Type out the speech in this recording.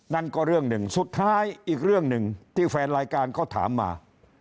นั่นก็เรื่องหนึ่งสุดท้ายอีกเรื่องหนึ่งที่แฟนรายการก็ถามมา